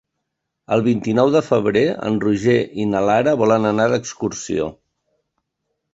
El vint-i-nou de febrer en Roger i na Lara volen anar d'excursió.